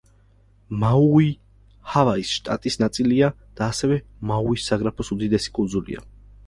მაუი ჰავაის შტატის ნაწილია და ასევე მაუის საგრაფოს უდიდესი კუნძულია.